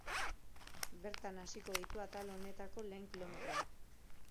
Bertan hasiko ditu atal honetako lehen kilometroak.